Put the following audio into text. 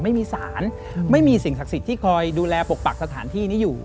ไม่มีสารไม่มีสิ่งศักดิ์สิทธิ์ที่คอยดูแลปกปักสถานที่นี้อยู่